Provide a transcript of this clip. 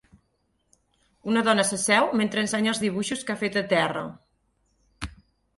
Una dona s'asseu mentre ensenya els dibuixos que ha fet a terra.